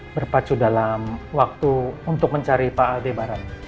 berpacu dalam waktu untuk mencari pak aldebaran